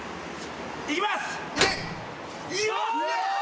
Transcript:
いきます！